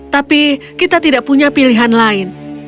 tapi kita tidak punya pilihan lain